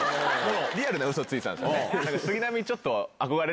リアルなウソついてたんすよね。